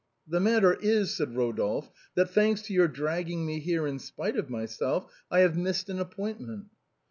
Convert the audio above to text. The matter is," said Eodolplie, " that, thanks to your dragging me here in spite of myself, I have missed an appointment."